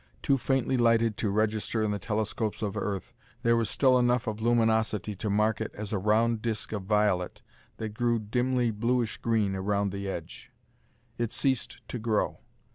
Too faintly lighted to register in the telescopes of Earth, there was still enough of luminosity to mark it as a round disc of violet that grew dimly bluish green around the edge. It ceased to grow.